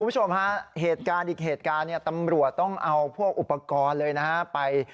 คุณผู้ชมอีกเหตุการณ์ตำรวจต้องเอาพวกอุปกรณ์ไป